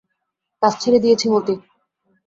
কাজ ছেড়ে দিয়েছি মতি।